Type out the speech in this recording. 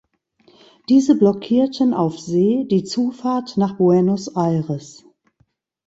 Diese blockierten auf See die Zufahrt nach Buenos Aires.